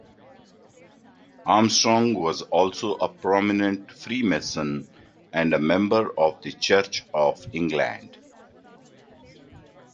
Armstrong was also a prominent freemason, and a member of the Church of England.